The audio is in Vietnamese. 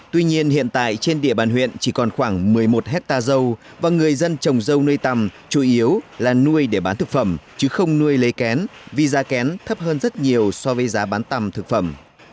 tuy nhiên hiện tại trên địa bàn huyện chỉ còn khoảng một mươi một hectare dâu và người dân trồng dâu nuôi tầm chủ yếu là nuôi để bán thực phẩm chứ không nuôi lấy kén vì giá kén thấp hơn rất nhiều so với giá bán tằm thực phẩm